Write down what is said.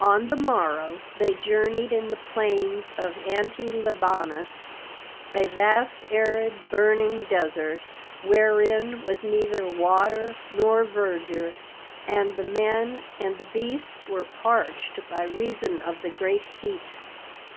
On the morrow they journeyed in the plains of Anti libanus, a vast arid burning desert, wherein was neither water nor verdure, and the men and the beasts were parched by reason of the great heat.